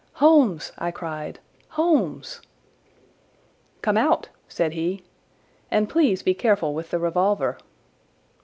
"Holmes!" I cried—"Holmes!" "Come out," said he, "and please be careful with the revolver."